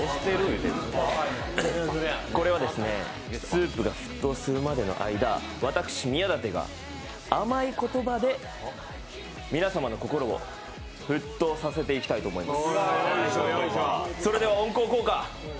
これはスープが沸騰するまでの間、私、宮舘が甘い言葉で皆様の心を沸騰させていきたいと思います。